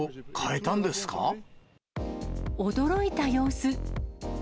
驚いた様子。